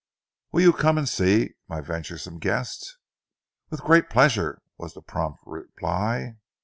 "Will you come and see, my venturesome guest?" "With great pleasure," was the prompt reply.